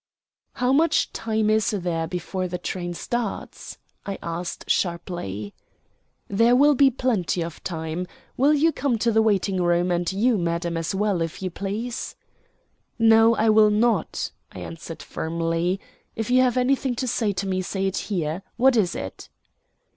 "How much time is there before the train starts?" I asked sharply. "There will be plenty of time. Will you come to the waiting room, and you, madam, as well, if you please?" "No, I will not," I answered firmly. "If you have anything to say to me, say it here. What is it?"